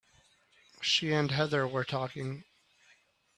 She and Heather were talking.